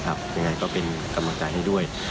ยังไงก็เป็นกำลังใจให้ด้วย